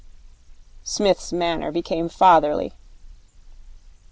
Psmith's manner became fatherly.